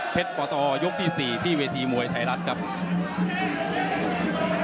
เท็จประตอบ์ยกที่๔ที่เวทีมวยไทยรัฐ